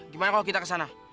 gimana kalau kita kesana